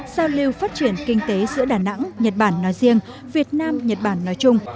giao lưu phát triển kinh tế giữa đà nẵng nhật bản nói riêng việt nam nhật bản nói chung